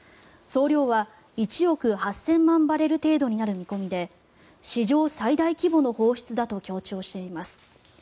総量は１億８０００万バレル程度になる見込みで史上最大規模の放出だと強調しています。